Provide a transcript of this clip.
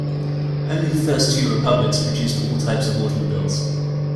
Only the first two republics produced all types of automobiles.